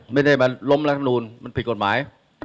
ไม่ได้ล้มรักโดนมันผิดกฎหมาย